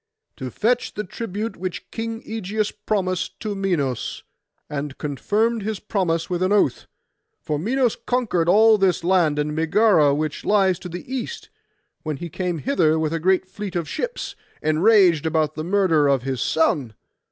'To fetch the tribute which King Ægeus promised to Minos, and confirmed his promise with an oath. For Minos conquered all this land, and Megara which lies to the east, when he came hither with a great fleet of ships, enraged about the murder of his son.